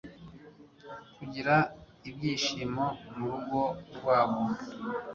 kugira ibyishimo mu rugo rwabo